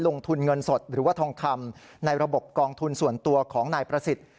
ลงทุนเงินสดหรือว่าทองคำในระบบกองทุนส่วนตัวของนายประสิทธิ์